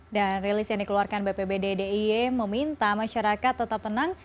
dan rilis yang dikeluarkan bpbd diy meminta masyarakat tetap tenang